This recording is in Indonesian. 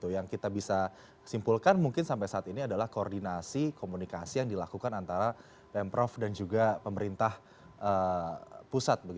yang kita bisa simpulkan mungkin sampai saat ini adalah koordinasi komunikasi yang dilakukan antara pemprov dan juga pemerintah pusat